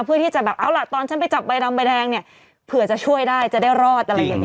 เพื่อที่จะแบบเอาล่ะตอนฉันไปจับใบดำใบแดงเนี่ยเผื่อจะช่วยได้จะได้รอดอะไรอย่างนี้